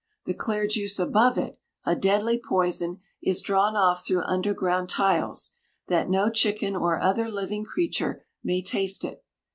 The clear juice above it, a deadly poison, is drawn off through underground tiles that no chicken or other living creature may taste it.